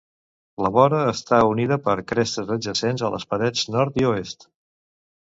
La vora està unida per crestes adjacents a les parets nord i oest.